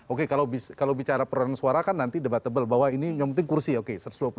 oke kalau bicara perang suara kan nanti debat tebal bahwa ini yang penting kursi ya oke satu ratus dua puluh delapan